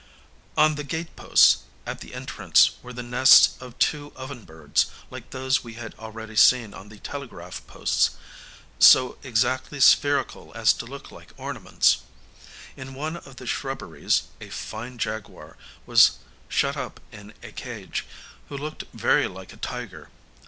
On the gate posts, at the entrance, were the nests of two oven birds, like those we had already seen on the telegraph posts, so exactly spherical as to look like ornaments. In one of the shrubberies a fine jaguar was shut up in a cage, who looked very like a tiger.